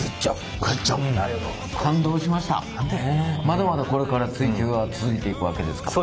まだまだこれから追求は続いていくわけですか？